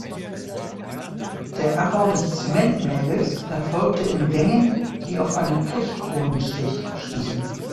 Der Abbau des Zement-Mergels erfolgte in Gängen, die auf eine Pechkohlen-Schicht stießen.